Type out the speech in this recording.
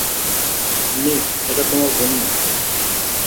নিক, এটা তোমার ভুল না।